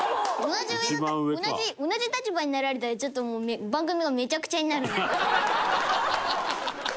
同じ立場になられたらちょっともう番組がめちゃくちゃになるので。